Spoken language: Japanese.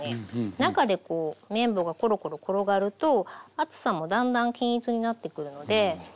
中でこう麺棒がコロコロ転がると厚さもだんだん均一になってくるので。